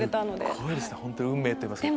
すごいですね運命といいますか。